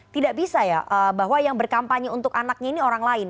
tidak bisa ya bahwa yang berkampanye untuk anaknya ini orang lain